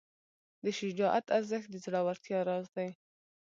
د شجاعت ارزښت د زړورتیا راز دی.